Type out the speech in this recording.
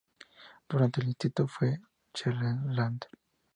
Durante el instituto fue cheerleader.